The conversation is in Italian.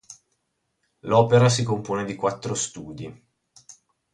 L'opera si compone di quattro studi.